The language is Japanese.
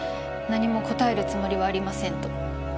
何も答えるつもりはありませんと。